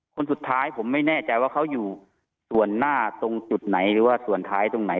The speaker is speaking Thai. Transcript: คนสุดท้ายผมไม่แน่ใจว่าเขาอยู่ส่วนหน้าตรงจุดไหนหรือว่าส่วนท้ายตรงไหน